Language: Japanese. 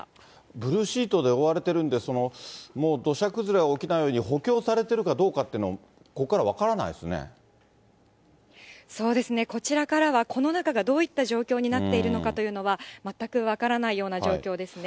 ブルーシートで覆われてるんで、そのもう、土砂崩れが起きないように補強されてるかどうかっていうのは、こそうですね、こちらからはこの中がどういった状況になっているのかというのは、全く分からないような状況ですね。